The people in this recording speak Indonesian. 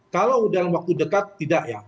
kalau dalam waktu dekat tidak ya